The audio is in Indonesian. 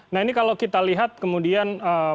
nah ini kalau kita lihat kemudian